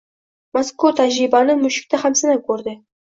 Mazkur tajribani mushukda ham sinab ko‘rdi